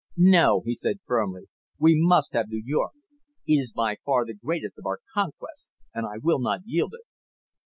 "No," he said firmly. "We must have New York. It is by far the greatest of our conquests and I will not yield it."